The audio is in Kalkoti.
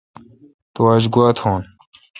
تو آج گوا تھون۔